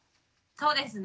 そうですね。